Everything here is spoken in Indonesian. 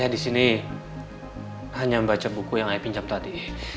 di sini hanya membaca buku yang ayah pinjam tadi